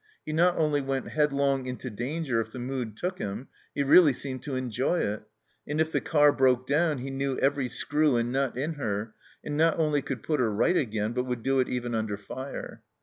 He not only went headlong into danger if the mood took him, he really seemed to enjoy it ; and if the car broke down he knew every screw and nut in her, and not only could put her right again, but would do it even under fire.